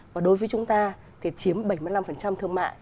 và đối với chúng ta thì chiếm bảy mươi năm thương mại